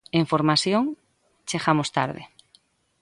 En formación chegamos tarde.